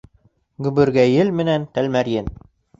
ГӨБӨРГӘЙЕЛ МЕНӘН ТӘЛМӘРЙЕН